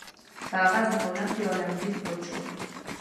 په هغه زمانه کې عالمګیر پاچا وو.